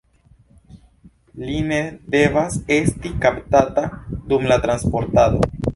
Li ne devas esti kaptata dum la transportado.